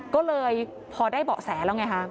ก็เลยพอได้เบาะแสแล้วไงฮะ